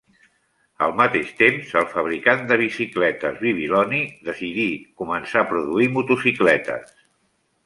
Al mateix temps, el fabricant de bicicletes Bibiloni decidí començar a produir motocicletes.